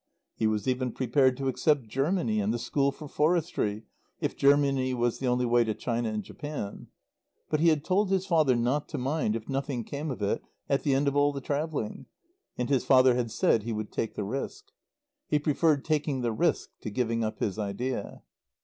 He was even prepared to accept Germany and the School for Forestry if Germany was the only way to China and Japan. But he had told his father not to mind if nothing came of it at the end of all the travelling. And his father had said he would take the risk. He preferred taking the risk to giving up his idea.